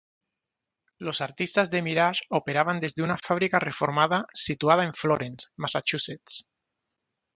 Los artistas de "Mirage" operaban desde una fábrica reformada, situada en Florence, Massachusetts.